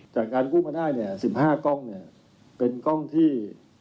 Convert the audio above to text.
จากการกู้มาได้เนี่ย๑๕กล้องเนี่ยเป็นกล้องที่